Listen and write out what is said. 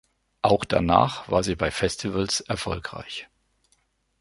Auch danach war sie bei Festivals erfolgreich.